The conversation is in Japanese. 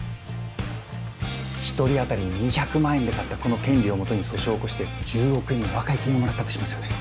一人あたり２００万円で買ったこの権利をもとに訴訟を起こして１０億円の和解金をもらったとしますよね